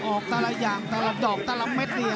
ออกแต่ละอย่างแต่ละดอกแต่ละเม็ดนี่